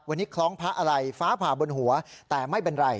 วันนี้คล้องพระอะไรฟ้าผ่าบนหัวแต่ไม่เป็นไร